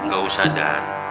gak usah da